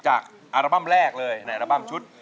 อัลบั้มแรกเลยในอัลบั้มชุด